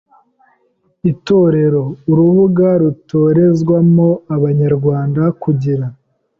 Itorero: Urubuga rutorezwamo Abanyarwanda kugira